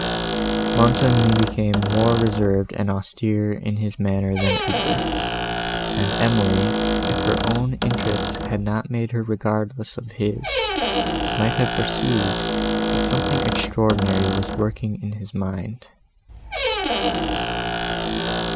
Montoni became more reserved and austere in his manner than ever; and Emily, if her own interests had not made her regardless of his, might have perceived, that something extraordinary was working in his mind.